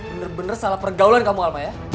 bener bener salah pergaulan kamu alma ya